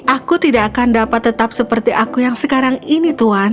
aku tidak akan dapat tetap seperti aku yang sekarang ini tuhan